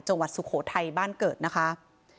จังหวัดสุโขทัยบ้านเกิดนะคะ